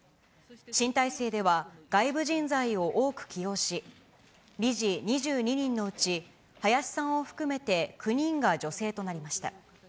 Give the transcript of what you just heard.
新体制では外部人材を多く起用し、理事２２人のうち林さんを含めて９人が女性となりました。